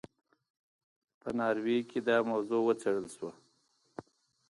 په ناروې کې دا موضوع وڅېړل شوه.